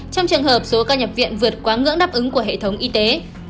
trong trường hợp số ca nhập viện vượt quá ngưỡng đáp ứng của hệ thống y tế